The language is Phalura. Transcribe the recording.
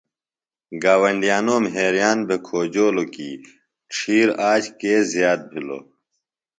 گاوۡنڈیانوم حیران بھےۡ کھوجولوکی ڇھیر آج کےۡ زیات بھِلو۔ۡ